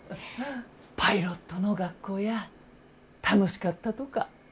パイロットの学校や楽しかったとか？